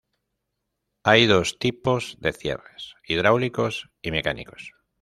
Hay dos tipos de cierres: hidráulicos y mecánicos.